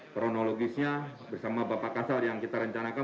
kronologisnya bersama bapak kasal yang kita rencanakan